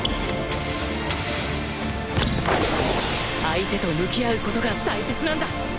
相手と向き合うことが大切なんだ！